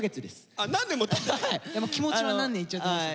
気持ちは何年いっちゃってました。